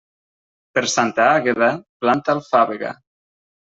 Per Santa Àgueda, planta alfàbega.